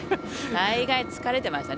大概疲れてましたね